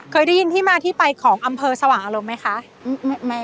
เคยได้ยินที่มาที่ไปของอำเภอสว่างอารมณ์ไหมคะ